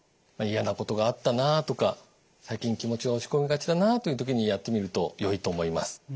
嫌なことがあったなとか最近気持ちが落ち込みがちだなという時にやってみるとよいと思います。